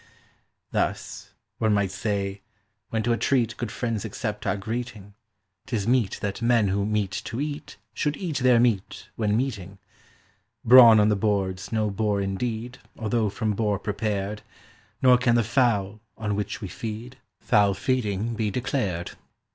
Thus, one might say, when to a treat good friends accept our greeting, 'Tis meet that men who meet to eat should eat their meat when meeting. Brawn on the board's no bore indeed although from boar prepared; Nor can the fowl, on which we feed, foul feeding he declared.